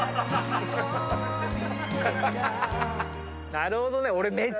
なるほどね。